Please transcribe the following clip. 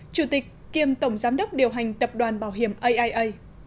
chủ tịch kiêm tổng giám đốc điều hành tập đoàn bảo hiểm aia